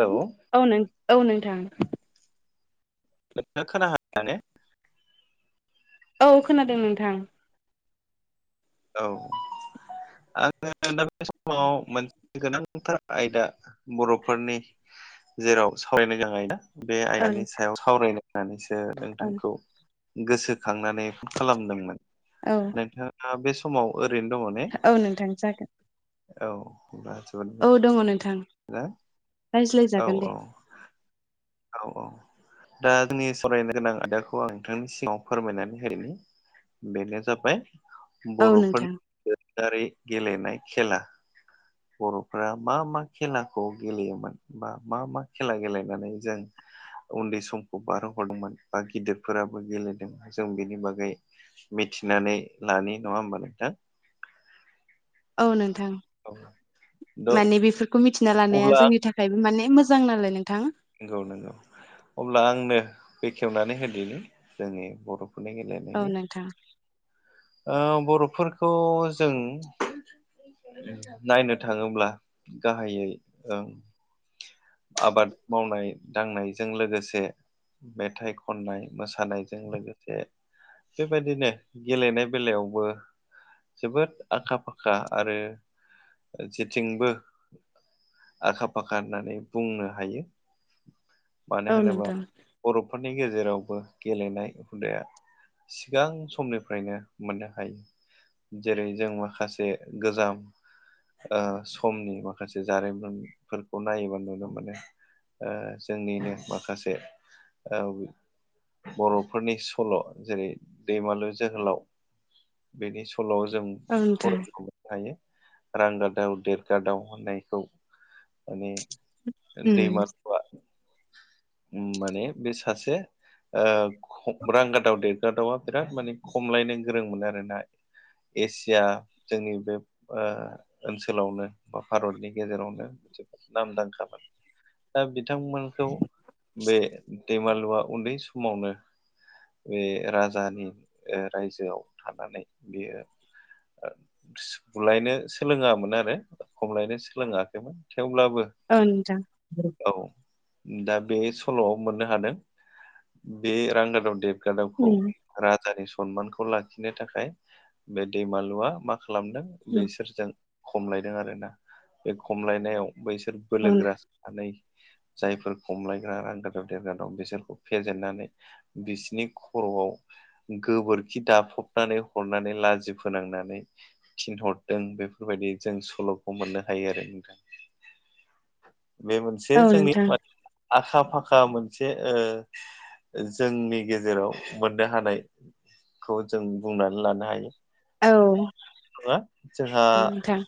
Hello औ नों औ नोंथां। [unintelligible] औ खोनादों नोंथां। औ आङो दा बे समाव मोन गोनांथार आयदा बर'फोरनि जेराव सावरायनो गोनां आयदाआ बे ओं आयदानि सायाव सावरायलायनानैसो ओं नोंथांखौ गोसोखांनानै ओ फन खालामदोंमोन औ नोंथाङा बे समाव ओरैनो दङ ने? औ नोंथां जागोन औ। औ दङ नोंथां। हेल औ रायज्लायजागोन दे औ। औ औ दा जोंनि सरायनो गोनां आयदाखौ आं नोंथांनि सिगाङाव फोरमायनानै होनि बेनो जाबाय औ नोंथां बर'फोरनि दोरोडा़रि गेलेनाय खेला बर'फोरा मा मा खेलाखौ गेलेयोमोन बा मा मा खेला गेलेनानैओ जों उन्दै समखौ बारहोहरदोंमोन बा गिदिरफोराबो गेलेदों जों बेनि बागैबो मिथिनानै लानाय नङा होमबा नोंथां। औ नोंथां द माने बेफोरखौ मिथिना लानाया अब्ला जोंनि थाखायबो ओमफ्रायबो माने मोजां नालाय नोंथाङा। नंगौ नंगौ अब्ला आंनो बेखेवनानै होदनि जोंनि बर'फोरनि गेलेनाय औ नोंथां। ओ बर'फोरखौ जों नायनो थाङोब्ला गाहायैओ आबाद मावनाय दांनायजों लोगोसे मेथाइ खननाय मोसानायजों लोगोसे बेबायदिनो गेलेनाय बेलायावबो। जोबोद आखा फाखा आरो जेथिंबो आखा फाखा होननानै बुंनो हायो। मानो औ होनोबा नोंथां बर'फोरनि गेजेरावबो गेलेनाय हुदायाबो सिगां समनिफ्रायनो मोननो हायो आरो जेरै जों माखासे गोजाम। समनि माखासे जारिमिनफोरखौ नायोबा नुनो मोनो। जोंनिनो माखासे दाउ ओ बर'फोरनि सल' जेरै दैमालु जोहोलाव बेनि सल' जों औ नोंथां। फरायनो हायो रांगादाव देगादाव होननायखौ माने उम दैमा माने बे ओ सासे रांगादाव देगादावा बिराद माने खमलायनो गोरोंमोन आरोना। एसिया जोंनि बे ओनसोलावनो बा भारतनि गेजेरावनो मोनसे नामदांखामोन दा बिथांमोनखौ बे दैमालुआ उन्दै समावनो ओ बे राजानि रायजोआव थानानै बेयो बुलायनो सोलोङामोन आरो खमलायनो सोलोङाखैमोन थेवब्लाबो ओ ओ नोंथां औ दा बे सल'आव मोननो हादों बे रांगादाव देगादावाबो देगादावखौ उम राजानि सनमानखौ लाखिनो थाखाय बे दैमालुआ मा खालामदों। उम बैसोरजों खमलायदों आरोना बे खमलायनायाव बैसोर बोलोगोरामोन जायफोर खमलायग्रा रांगादाव देगादाव दं बिसोरखौ फेजेननानै। बिसिनि खर'आव गोबोरखि दाफबनानै हरनानै लाजि फोनांनानै थिनहरदों बेफोरबायदि जों सल'खौ मोननो हायो आरो। बे मोनसे औ जोंनि नोंथां आखा फाखा मोनसे ओ जोंनि गेजेराव मोननो हानायखौ जों बुंनानै लानो हायो। औ। जोंहा नोंथां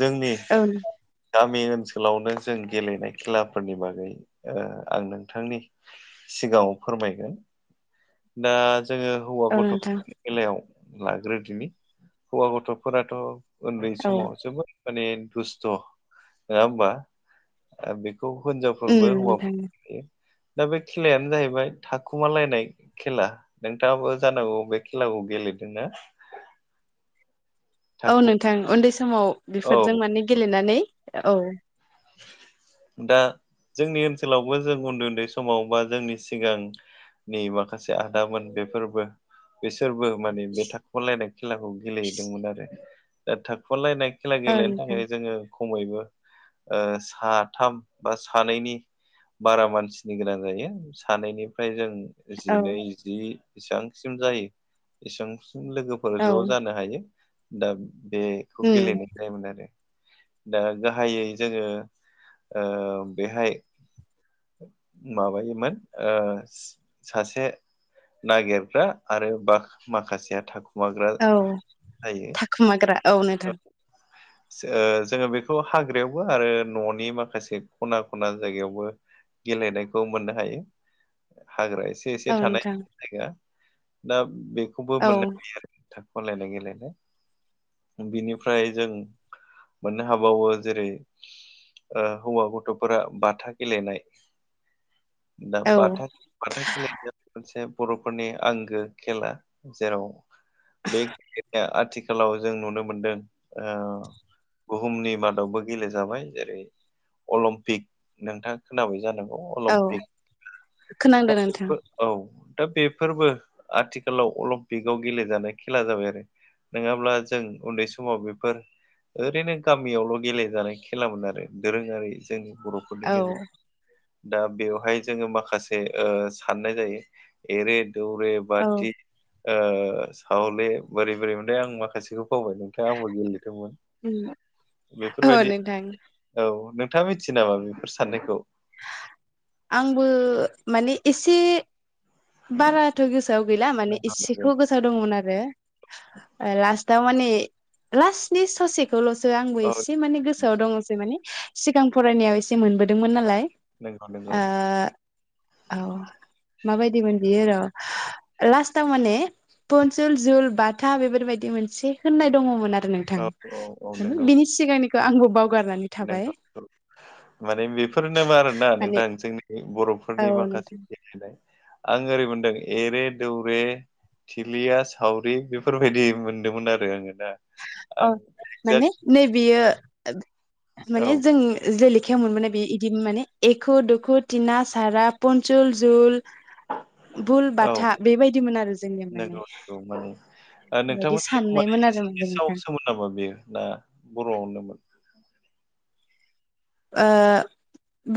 जोंनि औ गामि ओनसोलावनो जों गेलेनाय खेलाफोरनि बागै आं नोंथांनि सिगां फोरमायगोन। दा जोङो हौवा औ गथ' नोंथां बेलायाव लाग्रोदिनि हौवा गथ'फोराथ' उन्दै औ समाव जोबोद माने दुस्थ' नङा होमबा? बे बे खौ उम हिनजावफोरबो नोंथां हौवाफोराबो दा बे खेलायानो जाहैबाय थाखुमालायनाय। खेला नोंथाङाबो जानांगौ बे खेलाखौ गेलेदोंना? औ थाखु नोंथां उन्दै समाव बेफोरजों औ माने गेलेनानै औ। दा जोंनि ओनसोलावबो जों उन्दै उन्दै समाव बा जोंनि सिगां नि माखासे आदामोन बेफोरबो बिसोरबो माने बे थाखोमालायनाय खेलाखौ गेलेहैदोंमोन आरो दा थाखोमालायनाय खेला औ गेलेनो नोंथां थाखाय जोङो खमैबो साथाम बा सानैनि बारा मानसिनि गोनां जायो। सानैनिफ्राय जों जिनै औ जि इसेबांसिम जायो। इसेबांसिम लोगो फोर औ ज' जानो हायो दा बेखौ उम गेलेनाय जायोमोन आरो दा गाहायै जोङो ओ बेहाय माबायोमोन ओ सासे नागिरग्रा आरो बा माखासेया थाख [unintelligible] माग्रा थायो। खोमाग्रा औ नोंथां। जोङो बेखौ हाग्रायावबो आरो न'नि माखासे खना खना जायगायावबो। गेलेनायखौ मोननो हायो हाग्रा एसे एसे एसे औ थानाय नोंथां जाया दा बेखौबो औ मोननाय हायो आरो। थाखोमालायनाय गेलेलायनाय बिनिफ्राय जों। मोननो हाबावो जेरै हौवा गथ'फोरा बाथा गेलेनाय दा औ बाथा बाथा खेलेनाया मोनसे बर'फोरनि आंगो खेला जेराव बे गेलनाया आथिखालाव जों नुनो मोनदों ओ। बुहुमनि मादावबो गेलेजाबाय जेरै अलिम्पिक नोंथां। खोनाबाय जानांगौ औ अलिम्पिक खोनांदों दा नोंथां बेफोर औ दा बेफोरबो आथिखालाव अलिम्पिकआव गेलेजानाय खेला जाबाय आरो। नङाब्ला जों उन्दै समाव बेफोर ओरैनो गामियावल' गेलेजानाय खेलामोन आरो दोरोङारि जोंनि बर'फोरनि औ गेजेराव दा बेवहाय जोङो माखासे साननाय ओ जायो। एरे दौरे औ बाति साहले बोरै बोरै मोनथाय आं माखासेखौ बावबाय नोंथाङा आंबो गेलेदोंमोन। उम औ बेफोरबायदि नोंथां औ नोंथाङा मिथियो नामा बेफोर साननायखौ? आंबो माने एसे बाराथ' गोसोआव गैला माने नंगौ इसेखौ गोसो दंमोन आरो लासताव माने लासट बे ससेखौल'सो आंबो नंगौ औ एसे माने गोसोआव दङसै माने सिगां फरायनायाव एसे मोनबोदोंमोन नालाय। नंगौ नंगौ औ माबायदि मोन बियो र'। लास्टाव माने पनसुल जुल बाथा बेफोरबायदि मोनसे होननाय दङमोन आरो नों थां औ औ औ नंगौ बिनि सिगांनिखौ आंबो बावगारनानै थाबाय। नंगौ माने बेफोरनो मा आरोना माने नोंथां जोंनि औ बर'फोरनि नोंथां माखासे आं ओरै मोनदों एरे दौरे थिलिया सावरि बेफोरबायदि मोनदोंमोन आरो आङो नोंथां। अ माने नै बियो औ माने जोंनो जे लेखायाव मोनबोनाय बे बिदिनो माने एख' दुखु तिना सारा पनसुल जुल [inaudible] भुल औ बाथा बेबायदिमोन आरो जोंनिया माने औ बेबायदि साननायमोन आरो माने ओखायनो सोमदोनाबो बेयो ना बर'आवनोमोन ओ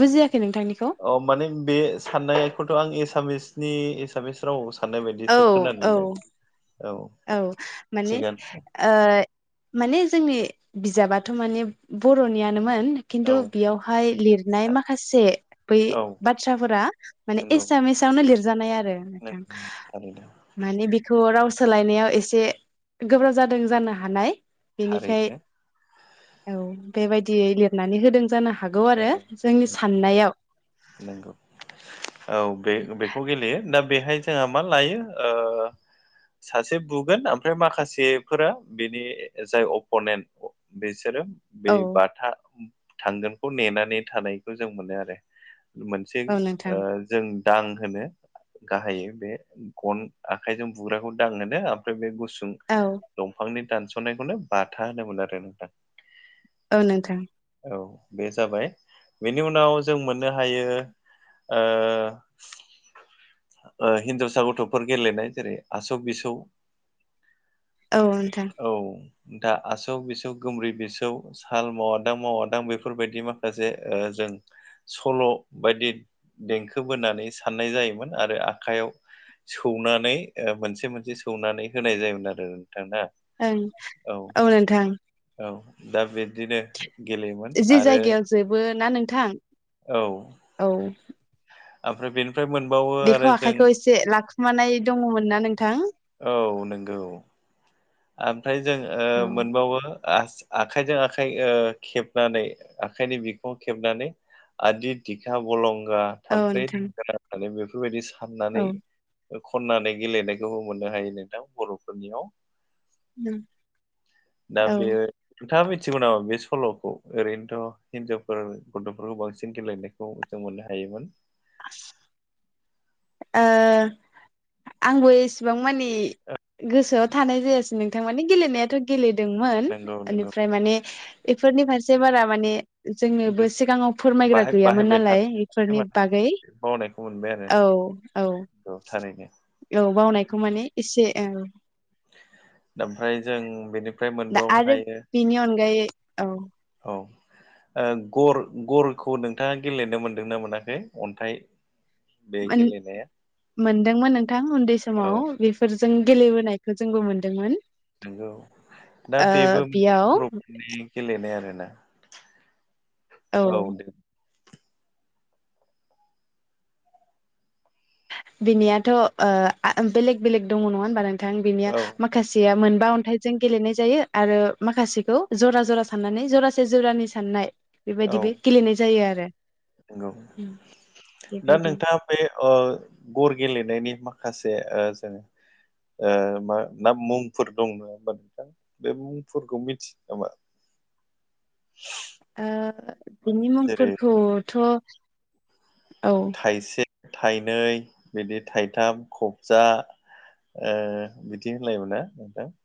बुजियाखै नोंथांनिखौ। अ माने बे साननायखौथ' आं एसामिसनि एसामिस रावसो औ औ औ माने थिगानो ओ माने जोंनि बिजाबाथ' माने बर'नियानोमोन। खिन्थु औ बेयावहाय लिरनाय माखासे बै औ बाथ्राफोरा माने नंगौ एसामिस यावनो लिरजानाय आरो नंगौ थारैनो माने बेखौ रावसोलायनाय सोलायनायाव एसे गोब्राब जादों जानो हानाय बेनिखाय थारैनो औ बेबायदियै लिरनानै होदों जानो हागौ आरो नंगौ जोंनि नंगौ साननाय नंगौ औ बे बेखौ गेलेयो दा बेहाय जोंहा मा लायो ओ सासे बुगोन ओमफ्राय माखासेफोरा बेनि जाय अप'नेन्ट बेसारो बे औ बाथा थांगोनखौ नेनानै थानायखौ जों मोनो आरो। मोनसे औ नोंथां जों दां होनो गाहायै बे गन आखाइजों बुग्राखौ दांहोनो ओमफ्राय बे गुसुं औ दंफांनि दानस'नायखौनो बाथा होनोमोन आरो नोंथां। औ नोंथां। औ बे जाबाय बेनि उनाव जों मोननो हायो ओ हिनजावसा गथ'फोर गेलेनाय जेरै आसक आसौ बिसौ। औ नोंथां। औ दा आसौ बेसौ गोमबोरै बेसौ। साल मावादां मावादां बेफोरबायदि माखासे जों सल' बायदि देंखो बोनानै साननाय जायोमोन आरो आखाइयाव सौनानै मोनसे मोनसे सौनानै होनाय जायोमोन आरो नोंथां। ओं औ नोंथां। औ दा बिब्दिनो जि जायगायाव जोबो ना नोंथां औ औ ओमफ्राय बे ओमफ्राय मोनबावो। बेखौ आरो जों आखाइखौ एसे लाखुमानाय दङमोन ना नोंथां? औ नंगौ ओमफ्राय जों औ मोनबावो आखाइजों आखाइ ओ खेबनानै आखाइनि बिखुं खेबनानै आदि दिखा बलंगा थाम्फै नोंथां दंगोना होननानै बेफोरबायदि साननानै औ खननानै गेलेनायखौबो मोननो हायो नोंथां बर'फोरनियाव। उम दा बेयो नोंथाङा मिथिगौ नामा बे सल'खौ ओरैनोथ' हिनजावफोर गथ'फोरखौ बांसिन गेलेनो खौ जों मोननो हायोमोन। आ ओ आंबो एसेबां मानि गोसोआव थानाय जायासै नोंथां मानि गेलेनायाथ' गेलेदोंमोन नंगौ नंगौ बेनिफ्राय माने बेफोरनि फारसे बारा माने जोंनोबो गोसो- सिगाङाव फोरमायग्रा बाहाय गैयामोन बाहायबाय नालाय थानाय बेफोरनि माने बागै बावनायखौ मोनबाय औ औ आरो थानायनो औ बावनायखौ माने एसे औ। ओमफ्राय जों बेनि दा आरो बेनि अनगायै औ। औ। गर गरखौ नोंथाङा गेलेनो मोन्दोंना मोनाखै अन्थाइ बे गेलेनाया मोनदोंमोन नोंथां उन्दै औ समाव फोरजों गेलेबोनायखौ जोंबो मोनदोंमोन। नंगौ दा ओ बेबो मोनसे बेयाव बर'फोरनि गेलेनाय आरोना। औ दे। बिनियाथ' बेलेग बेलेग दङ नङा होनबा नोंथां बिनिया औ माखासे माखासेया मोनबा अन्थाइजों गेलेनाय जायो आरो माखासेखौ जरा जरा साननानै जरासे जरानि साननाय औ बेबायदि बे गेलेनाय जायो आरो। नंगौ उम दा बेबायदि नोंथाङा। बे अ गर गेलेनायनि माखासे ओ जों ओ मा ना मुंफोर दं नङा होमबा नोंथां। बे मुंफोरखौ मिथियो नामा? बिनि जेरै मुंफोरखौथ' औ। थाइसे थाइनै बिदि थाइथाम खबजा बिदि होनलायोमोन ना नोंथां?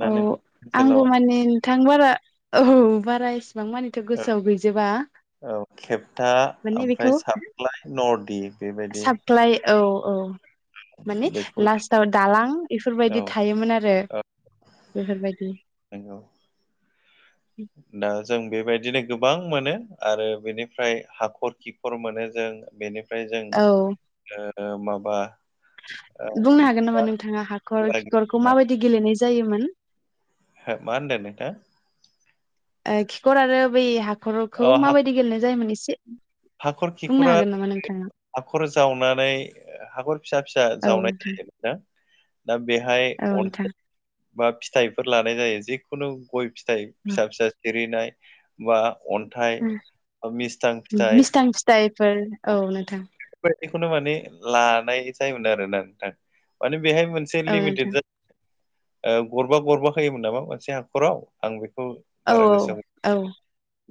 ना औ नों आंबो ओनसोलाव माने नोंथां बारा औ बारा एसेबां माने गोसोआव गैजोबा माने बेखौ न' दिप साप्लाय औ औ। मानि बेखौ लास्टाव दालां औ इफोरबायदि थायोमोन आरो। बेफोरबायदि औ। दा जों बेबायदिनो गोबां मोनो आरो बेनिफ्राय हाखर खिखर मोनो जों बेनिफ्राय औ जों माबा ओ बुंनो हागोन नामा मा नोंथाङा? हाखर खिखरखौ माबायदि गेलेनाय जायोमोन। हो मा होनदों नोंथा। खिखर आरो बै हाखरखौ अ हा- माबायदि गेलेनाय जायोमोन एसे हाखर बुंनो खिखरा हागोन नामा नोंथाङा? हाखर जावनानै हाखर फिसा फिसा औ जावनाय नोंथां जायो दा बेहाय औ नोंथां अन्थाइ बा फिथाइफोर लानाय जायो जिखुनु गय फिथाइ फिसा फिसा सिरिनाय बा अन्थाइ मिस्थां फिथाइ जायफोर औ नोंथां। बेबायदिखौनो माने लानाय जायोमोन आरोना नोंथां माने बेहाय मोनसे औ नोंथां लिमिटेड गरबा गरबा होयोमोन नामा मोनसे हाखराव आं बेखौ औ बारा गोसोआव औ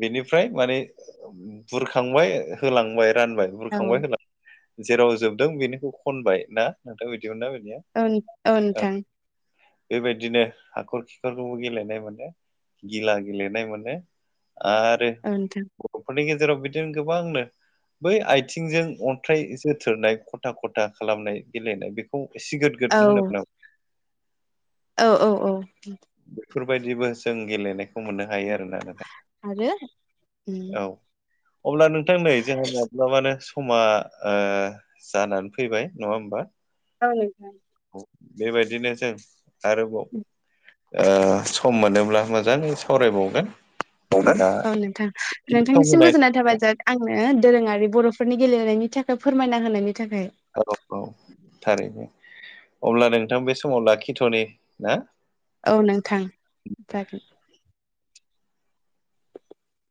बिनिफ्राय माने बुरखांबाय होलांबाय रानबाय औ बुरखांबाय होलांबाय। जेराव जोबदों बेनिखौ खनबाय ना नोंथां? बिदिमोन ना बिनिया। ओं औ नोंथां। बेबायदिनो हाखर खिखरखौबो गेलेनाय मोनो। गिला गेलेनाय मोनो आरो। औ नोंथां बर'फोरनि गेजेराव बिदिनो गोबांनो बै आथिंजों अन्थ्राइ जोथोरनाय खथा खथा खालामनाय गेलेनाय बेखौ सिगोद औ गोद होनोमोन नामा? औ औ। बेफोरबायदिबो जों गेलेनायखौ मोनो। हायो आरोना नोंथां आरो औ। अब्ला नोंथां नै जोंहा माब्लाबानो समा ओ जानानै फैबाय नङा होमबा? आं नोंथां। औ बेबायदिनो जों ओ सम मोनोब्ला मोजाङै सावरायबावगोन। दा [unintelligible] औ नोंथां बेखिनि सम नोंथांनिसिम होनायनि गोजोननाय थाखाय थाबाय आंनो दोरोङारि बर'फोरनि गेलेनायनि थाखाय फोरमायना होनायनि थाखाय। औ औ थारैनो अब्ला नोंथां बे समाव लाखिथ'नि औ नोंथां